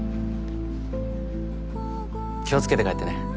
気をつけて帰ってね